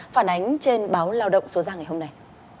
phản ánh trên báo lao động số ra ngày hôm nay